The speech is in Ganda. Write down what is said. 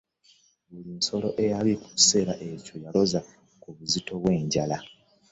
Buli nsolo eyaliwo mu kiseera ekyo yaloza ku buzito bwe njala.